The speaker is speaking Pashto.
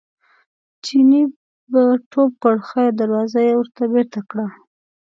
چیني به ټوپ کړ خیر دروازه یې ورته بېرته کړه.